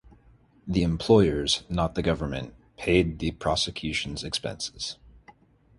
The employers, not the government, paid the prosecution's expenses.